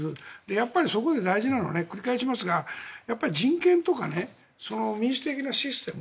やっぱりそこで大事なのは繰り返しますが人権とか民主的なシステム